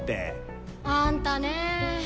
あんたね。